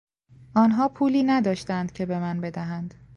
آنها پولی نداشتند که به من بدهند.